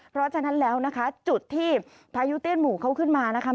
เพราะฉะนั้นแล้วนะคะจุดที่พายุเตี้ยนหมู่เขาขึ้นมานะคะ